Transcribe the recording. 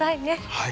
はい。